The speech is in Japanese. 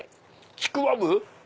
ちくわぶ